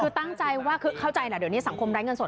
คือตั้งใจว่าเข้าใจนะเดี๋ยวนี้สังคมร้ายเงินสด